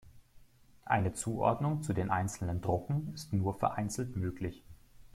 Eine Zuordnung zu den einzelnen Drucken ist nur vereinzelt möglich.